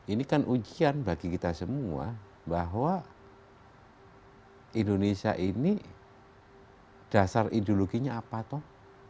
ini kan ujian bagi kita semua bahwa indonesia ini dasar ideologinya apa toh